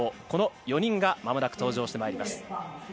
この４人がまもなく登場してまいります。